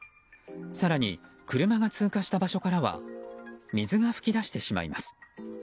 更に、車が通過した場所からは水が噴き出してしまいます。